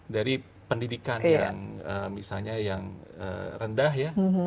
dari pendidikan yang misalnya yang rendah ya